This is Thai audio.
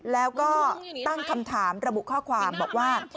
แล้วก็ตั้งคำถามระบุข้อความบอกว่า